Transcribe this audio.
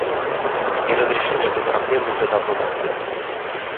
И разрешение этой проблемы уже давно назрело.